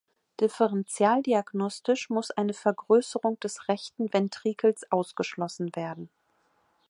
Differentialdiagnostisch muss eine Vergrößerung des rechten Ventrikels ausgeschlossen werden.